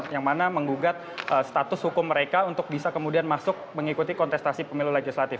yang mana menggugat status hukum mereka untuk bisa kemudian masuk mengikuti kontestasi pemilu legislatif